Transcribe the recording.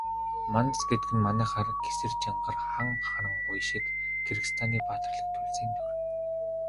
Манас гэдэг нь манайхаар Гэсэр, Жангар, Хан Харангуй шиг Киргизстаны баатарлаг туульсын дүр.